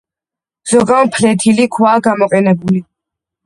ზოგან ფლეთილი ქვაა გამოყენებული.